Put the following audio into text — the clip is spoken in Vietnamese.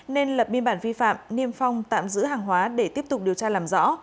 nên lập biên bản vi phạm niêm phong tạm giữ hàng hóa để tiếp tục điều tra làm rõ